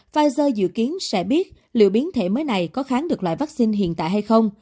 pfizer dự kiến sẽ biết liệu biến thể mới này có kháng được loại vaccine hiện tại hay không